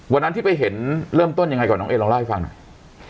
วันนั้นที่ไปเห็นเริ่มต้นยังไงก่อนน้องเอลองเล่าให้ฟังหน่อย